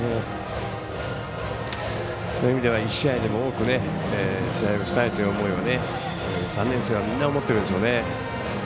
そういう意味では１試合でも多く試合をしたいという思いを３年生はみんな思っているでしょうね。